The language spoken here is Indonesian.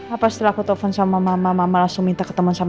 apa setelah aku telfon sama mama mama langsung minta ketemuan sama elsa